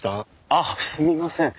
あっすみません。